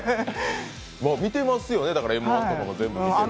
見てますよね、「Ｍ−１」とかも全部見てるし。